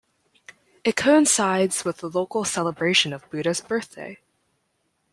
It coincides with the local celebration of Buddha's Birthday.